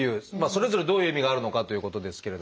それぞれどういう意味があるのかということですけれども先生。